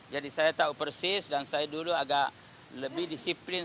jadi saya tahu persis dan saya dulu agak lebih disiplin